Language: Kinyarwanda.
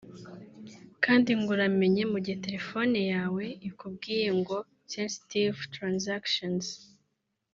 kandi ngo uramenye mu gihe telefone yawe ikubwiye ngo ”sensitive transactions”